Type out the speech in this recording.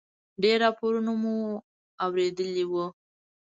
ډېر راپورونه مو اورېدلي و.